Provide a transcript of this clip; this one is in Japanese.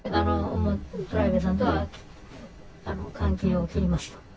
トライベイさんとは、関係を切りますと。